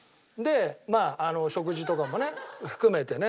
まあ食事とかもね含めてね。